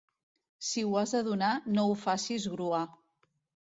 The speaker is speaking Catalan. Si ho has de donar, no ho facis gruar.